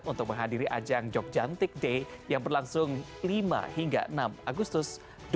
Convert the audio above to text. untuk menghadiri ajang jogjantik day yang berlangsung lima hingga enam agustus dua ribu dua puluh